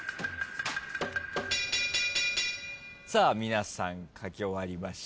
皆さん書き終わりました。